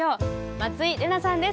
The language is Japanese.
松井玲奈さんです。